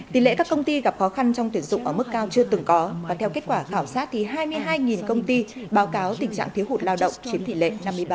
tỷ lệ các công ty gặp khó khăn trong tuyển dụng ở mức cao chưa từng có và theo kết quả khảo sát hai mươi hai công ty báo cáo tình trạng thiếu hụt lao động chiếm tỷ lệ năm mươi ba